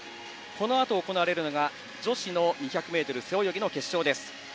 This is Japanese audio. このあと行われるのが女子２００ｍ背泳ぎ決勝です。